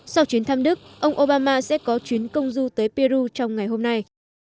sau chuyến thăm đức ông obama sẽ có chuyến công du tới peru trong ngày hôm nay